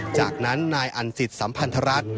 จากนั้นนายอันสิทธิ์สัมพันธรรท